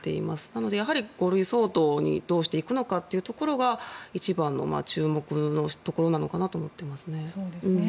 なので５類相当にどうしていくのかというところが一番の注目のところなのかなと思っていますね。